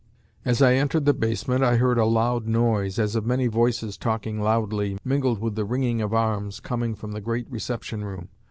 As I entered the basement I heard a loud noise, as of many voices talking loudly, mingled with the ringing of arms, coming from the great reception room.